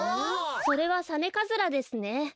それはサネカズラですね。